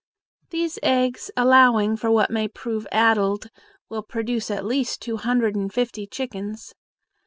These eggs, allowing for what may prove addled, will produce at least two hundred and fifty chickens.